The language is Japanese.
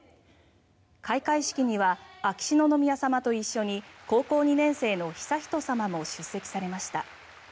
開会式には秋篠宮さまと一緒に高校２年生の悠仁さまも出席されました。